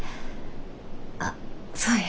あっそうや。